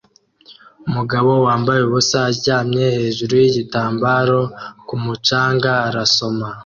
Umugore wambaye ubusa aryamye hejuru yigitambaro ku mucanga arasoma